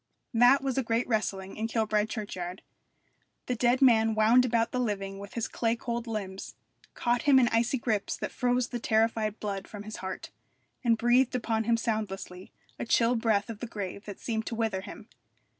That was a great wrestling in Kilbride churchyard. The dead man wound about the living with his clay cold limbs, caught him in icy grips that froze the terrified blood from his heart, and breathed upon him soundlessly a chill breath of the grave that seemed to wither him.